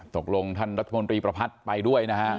ตกลงท่านรัฐมนตรีประพัทธ์ไปด้วยนะฮะ